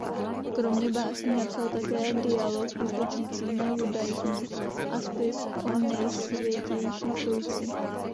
Kromě básní napsal také dialog útočící na judaismus a spis o Nejsvětější Trojici.